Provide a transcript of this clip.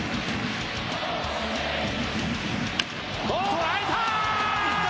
捉えた！